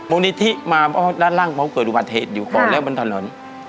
มุมนิธิมาเพราะด้านล่างเพราะเกิดประเทศอยู่ก่อนแล้วบนถนน